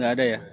gak ada ya